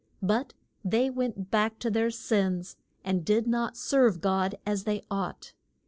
But they went back to their sins, and did not serve God as they ought.